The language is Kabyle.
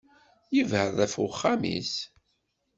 Yebεed ɣef uxxam-is.